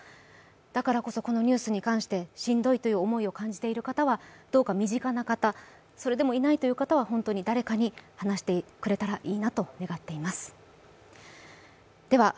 だからこそこのニュースに関してしんどいという思いを感じている方はどうか身近な方、それでもいないという方は誰かに話してくれたらいいなと願っています。